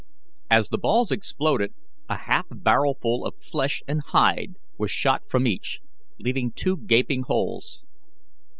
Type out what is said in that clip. As the balls exploded, a half barrelful of flesh and hide was shot from each, leaving two gaping holes.